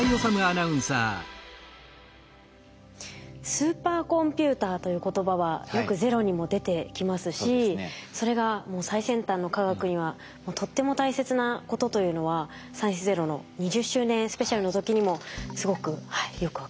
「スーパーコンピューター」という言葉はよく「ＺＥＲＯ」にも出てきますしそれが最先端の科学にはとっても大切なことというのは「サイエンスＺＥＲＯ」の２０周年スペシャルの時にもすごくよく分かりました。